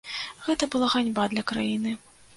Гэта была ганьба для краіны.